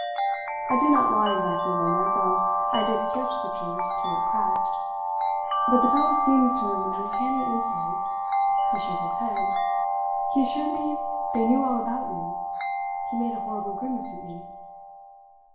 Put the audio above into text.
I did not lie exactly, Lena, though I did stretch the truth till it cracked; but the fellow seems to have an uncanny insight. He shook his head. He assured me they knew all about you. He made a horrible grimace at me."